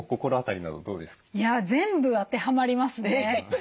いや全部当てはまりますね。